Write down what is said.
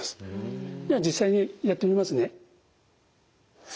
では実際にやってみますね。